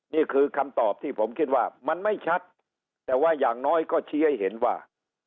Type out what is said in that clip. นี่คือคำตอบที่ผมคิดว่ามันไม่ชัดแต่ว่าอย่างน้อยก็ชี้ให้เห็นว่า